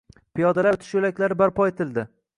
Piyodalar o‘tish yo‘laklari barpo etildi.